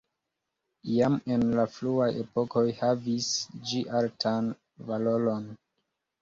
Jam en la fruaj epokoj havis ĝi altan valoron.